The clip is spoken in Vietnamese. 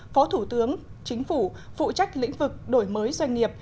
phó thủ tướng chính phủ phụ trách lĩnh vực đổi mới doanh nghiệp